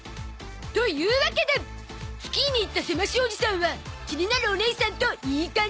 というわけでスキーに行ったせましおじさんは気になるおねいさんといい感じに？